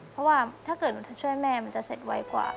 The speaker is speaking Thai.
เพราะว่าถ้าเกิดหนูจะช่วยแม่มันจะเสร็จไวกว่า